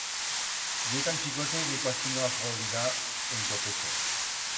Ye tan chicote que cuasi no acodirá ent'o peso.